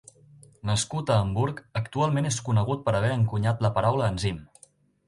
Nascut a Hamburg, actualment és conegut per haver encunyat la paraula enzim.